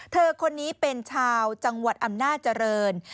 เธอคนนี้เป็นชาวจังหวัดอำนาจริง